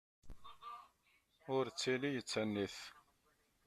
Ur ttili d Tanit.